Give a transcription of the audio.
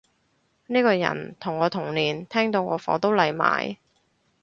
呢個人同我同年，聽到我火都嚟埋